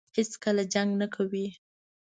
هېڅکله جنګ نه کوي.